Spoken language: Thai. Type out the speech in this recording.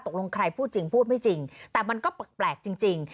ใครพูดจริงพูดไม่จริงแต่มันก็แปลกจริง